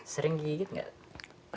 sering gigit tidak